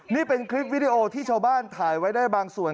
นี่เป็นคลิปวิดีโอที่ชาวบ้านถ่ายไว้ได้บางส่วน